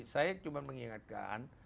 saya cuma mengingatkan